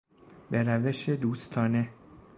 به روش دوستانه